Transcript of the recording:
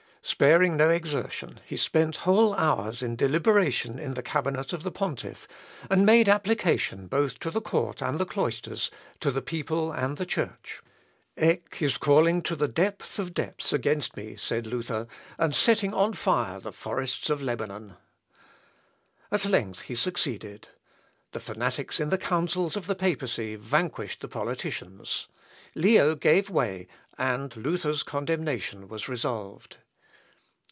Sparing no exertion, he spent whole hours in deliberation in the cabinet of the pontiff, and made application both to the court and the cloisters, to the people and the Church. "Eck is calling to the depth of depths against me," said Luther, "and setting on fire the forests of Lebanon." At length he succeeded. The fanatics in the councils of the papacy vanquished the politicians. Leo gave way, and Luther's condemnation was resolved.